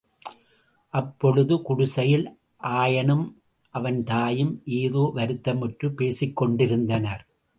அப்பொழுது குடிசையில் ஆயனும் அவன் தாயும் ஏதோ வருத்தமுற்றுப் பேசிக்கொண்டிருந்தனர்.